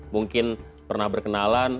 mungkin pernah berkenalan